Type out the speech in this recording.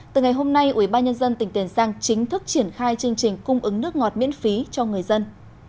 từ ngày hôm nay ubnd tỉnh tiền giang chính thức triển khai chương trình cung ứng nước ngọt miễn phí cho người dân